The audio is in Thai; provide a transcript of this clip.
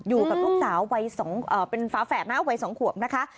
อยู่แบบพวกสาววัยสองเป็นฝาแฝดนะวัยสองขวบนะคะ